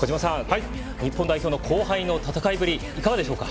日本代表の後輩の戦いぶりいかがでしょうか？